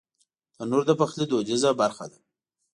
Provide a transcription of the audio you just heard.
تنور د پخلي دودیزه برخه ده